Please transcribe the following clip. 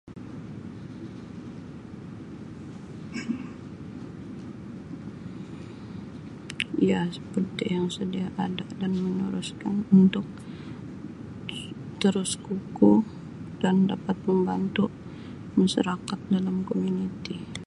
Ya, seperti yang sedia ada dan [unintelligible] untuk terus kukuh dan dapat membantu masarakat dalam komuniti.